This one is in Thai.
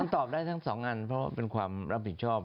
ตอบได้ทั้งสองอันเพราะเป็นความรับผิดชอบ